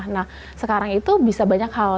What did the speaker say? nah sekarang itu bisa banyak hal